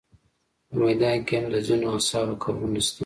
په میدان کې هم د ځینو اصحابو قبرونه شته.